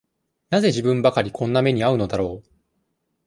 なぜ自分ばかりこんな目にあうのだろう。